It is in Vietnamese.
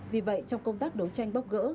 vì vậy trong công tác đấu tranh bóc gỡ